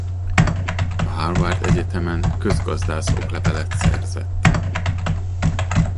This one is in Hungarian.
A Harvard Egyetemen közgazdász oklevelet szerzett.